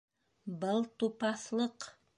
—Был тупаҫлыҡ.